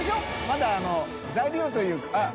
まだ材料というか。